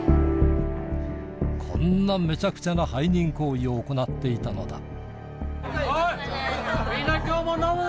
こんなめちゃくちゃな背任行為を行っていたのだおい！